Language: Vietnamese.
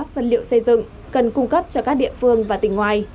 vật liệu xây dựng cần cung cấp cho các địa phương và tỉnh ngoài